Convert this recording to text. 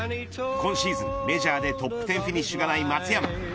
今シーズン、メジャーでトップ１０フィニッシュがない松山。